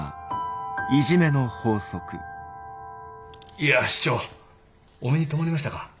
いや市長お目に留まりましたか。